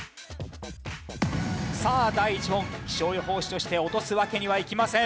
さあ第１問気象予報士として落とすわけにはいきません。